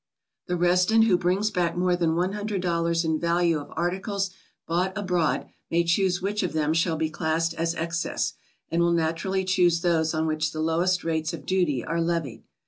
The resident who brings back more than $100 in value of articles bought abroad may choose which of them shall be classed as excess, and will naturally choose those on which the lowest rates of duty are levied.